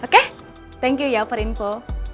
okay thank you ya per info